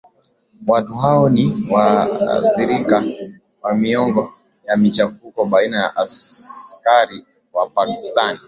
watu hao ni waathirika wamiongo ya machafuko baina ya askari wa pakistan